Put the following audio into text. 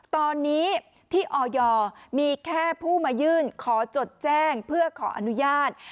ตอนนี้ที่ออยมีแค่ผู้มายื่นขอจดแจ้งเพื่อขออนุญาต